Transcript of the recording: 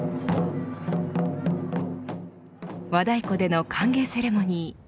和太鼓での歓迎セレモニー。